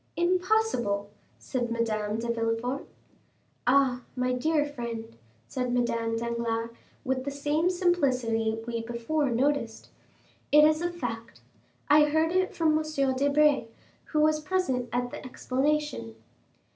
"Impossible," said Madame de Villefort. "Ah, my dear friend," said Madame Danglars, with the same simplicity we before noticed, "it is a fact. I heard it from M. Debray, who was present at the explanation."